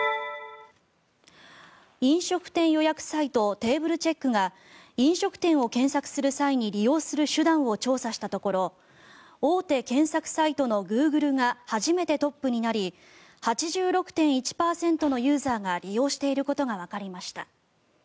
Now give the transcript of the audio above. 飲食店予約サイトテーブルチェックが飲食店を検索する際に利用する手段を調査したところ大手検索サイトのグーグルが初めてトップになり８６．１％のユーザーが利用していることがわかりました。